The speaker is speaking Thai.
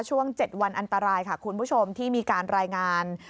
ช่วง๗วันอันตรายค่ะคุณผู้ชมที่มีการรายงาน